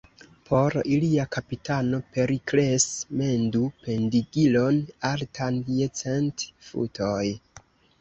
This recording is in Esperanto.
Por ilia kapitano Perikles mendu pendigilon altan je cent futoj.